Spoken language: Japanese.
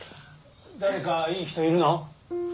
誰かいい人いるの？